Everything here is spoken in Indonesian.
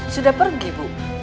sudah pergi bu